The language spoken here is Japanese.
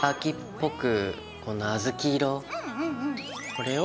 これを。